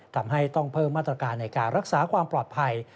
ทำให้ต้องเพิ่มมาตรการในการรักษาความปลอดภัย